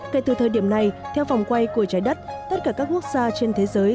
kể từ thời điểm này theo vòng quay của trái đất tất cả các quốc gia trên thế giới